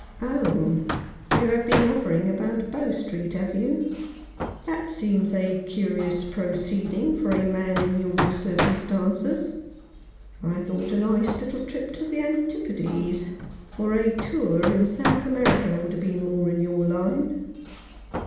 " Oh, you have been hovering about Bow Street, have you ? That seems a curious proceeding for a man in your circumstances. I thought a nice little trip to the Antipodes, or a tour in South America, would have been more in your line."